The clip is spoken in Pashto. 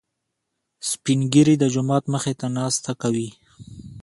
سپين ږيري د جومات مخې ته ناسته کوي.